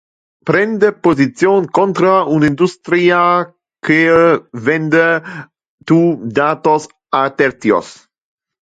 Prende position contra un industria que vende tu datos a tertios.